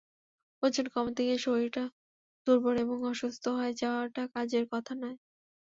ওজন কমাতে গিয়ে শরীর দুর্বল কিংবা অসুস্থ হয়ে যাওয়াটা কাজের কথা নয়।